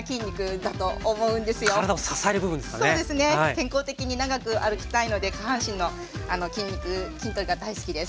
健康的に長く歩きたいので下半身の筋肉筋トレが大好きです。